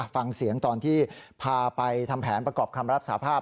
ฟังเสียงตอนที่พาไปทำแผนประกอบคำรับสาภาพ